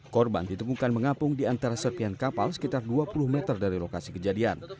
korban ditemukan mengapung di antara serpian kapal sekitar dua puluh meter dari lokasi kejadian